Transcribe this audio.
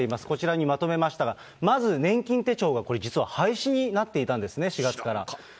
こちらにまとめましたが、まず年金手帳がこれ、実は廃止になっていたんですね、４月から。